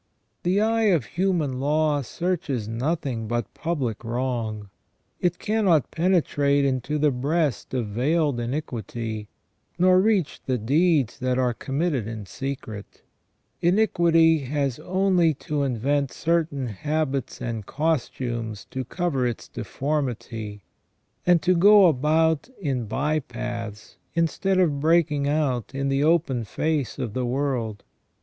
The eye of human law searches nothing but public wrong ; it cannot penetrate into the breast of veiled iniquity, nor reach the deeds that are com mitted in secret. Iniquity has only to invent certain habits and costumes to cover its deformity, and to go about in by paths instead of breaking out in the open face of the world.